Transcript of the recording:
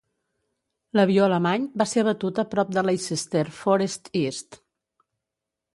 L'avió alemany va ser abatut a prop de Leicester Forest East.